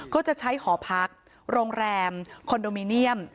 ก็จะใช้หอพักโรงแรมคอนโดมิเนียม